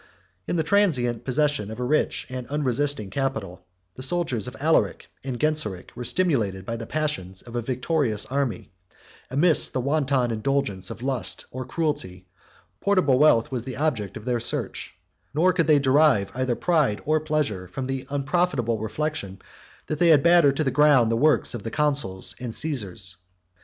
In the transient possession of a rich and unresisting capital, the soldiers of Alaric and Genseric were stimulated by the passions of a victorious army; amidst the wanton indulgence of lust or cruelty, portable wealth was the object of their search; nor could they derive either pride or pleasure from the unprofitable reflection, that they had battered to the ground the works of the consuls and Cæsars.